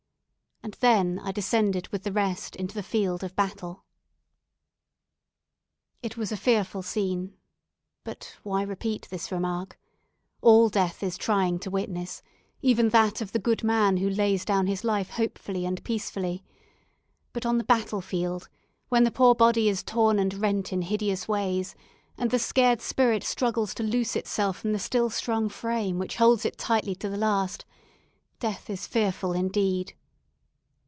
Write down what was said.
And then I descended with the rest into the field of battle. It was a fearful scene; but why repeat this remark. All death is trying to witness even that of the good man who lays down his life hopefully and peacefully; but on the battle field, when the poor body is torn and rent in hideous ways, and the scared spirit struggles to loose itself from the still strong frame that holds it tightly to the last, death is fearful indeed.